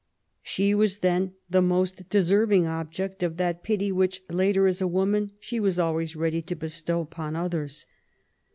She was then the most deserving object of that pity which later^ as a woman^ she was always ready to bestow upon others.